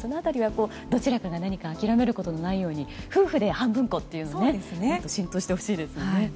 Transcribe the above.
その辺りはどちらかが諦めることがないように夫婦で半分こということも浸透してほしいですね。